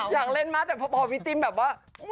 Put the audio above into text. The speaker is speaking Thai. อยากเล่นมากแต่พอพี่จิ้มแบบว่า